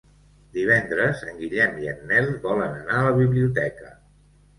Divendres en Guillem i en Nel volen anar a la biblioteca.